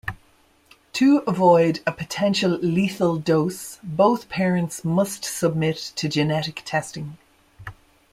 To avoid a potential "lethal dose," both parents must submit to genetic testing.